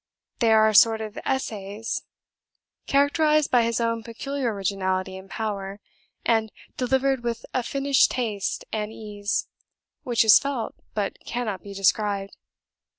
They are a sort of essays, characterised by his own peculiar originality and power, and delivered with a finished taste and ease, which is felt, but cannot be described.